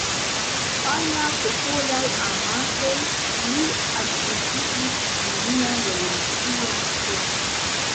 Al la popolaj amasoj li atribuis nenian revolucian forton.